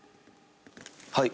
はい」